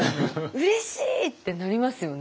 うれしい！ってなりますよね。